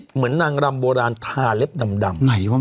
เหมือนนางรำโบราณทาเล็บดำดำไหนวะมึง